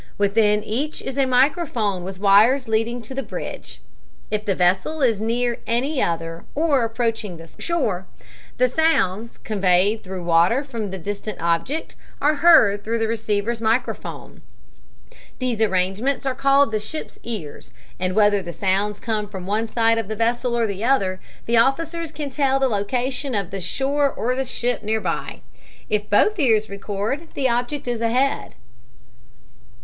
Within each is a microphone with wires leading to the bridge. If the vessel is near any other or approaching shore, the sounds; conveyed through the water from the distant object are heard through the receiver of the microphone. These arrangements are called the ship's ears, and whether the sounds come from one side of the vessel or the other, the officers can tell the location of the shore or ship near by. If both ears record, the object is ahead.